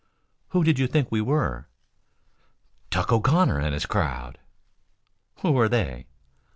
"Who did you think we were?" "Tuck O'Connor and his crowd." "Who are they?"